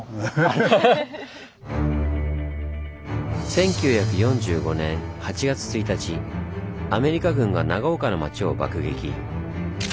１９４５年８月１日アメリカ軍が長岡の町を爆撃。